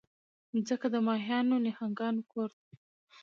مځکه د ماهیانو، نهنګانو کور ده.